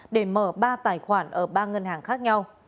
để mở ba tài khoản ở ba ngân hàng khác nhau